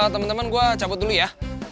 teman teman gue cabut dulu ya